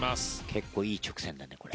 結構いい直線だね。